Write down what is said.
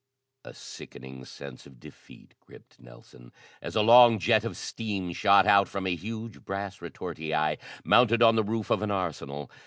A sickening sense of defeat gripped Nelson as a long jet of steam shot out from a huge brass retortii mounted on the roof of an arsenal.